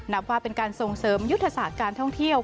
นับว่าเป็นการส่งเสริมยุทธศาสตร์การท่องเที่ยว